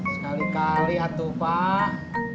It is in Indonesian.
sekali kali atuh pak